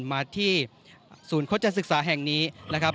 มาที่ศูนย์โฆษศึกษาแห่งนี้นะครับ